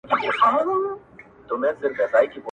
څوک انتظار کړي، ستا د حُسن تر لمبې پوري~